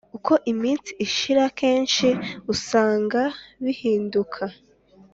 uko iminsi ishira kenshi usanga bihinduka